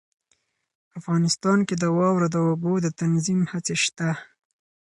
افغانستان کې د واورو د اوبو د تنظیم هڅې شته.